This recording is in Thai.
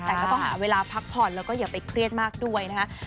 แต่ก็ต้องหาเวลาพักผ่อนแล้วก็อย่าไปเครียดมากด้วยนะคะ